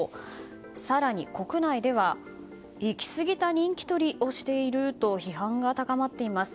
更に国内では行き過ぎた人気取りをしていると批判が高まっています。